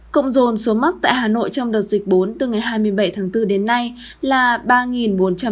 cộng dồn số mắc tại hà nội trong đợt dịch bốn từ ngày hai mươi bảy tháng bốn đến nay là ba bốn trăm tám mươi ca